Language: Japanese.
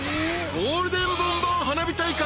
［ゴールデンボンバー花火大会。